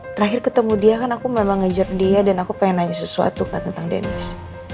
terakhir ketemu dia kan aku memang ngajar dia dan aku pengen nanya sesuatu kan tentang deniz